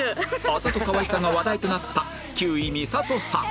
あざとかわいさが話題となった休井美郷さん